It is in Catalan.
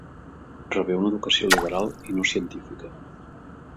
Rebé una educació liberal i no científica.